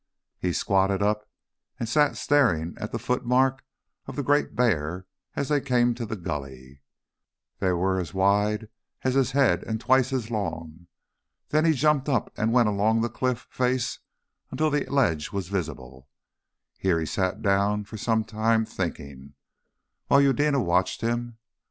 He squatted up and sat staring at the footmarks of the great bear as they came to the gully they were as wide as his head and twice as long. Then he jumped up and went along the cliff face until the ledge was visible. Here he sat down for some time thinking, while Eudena watched him.